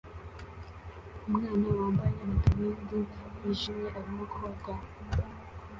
Umwana wambaye amadarubindi yijimye arimo koga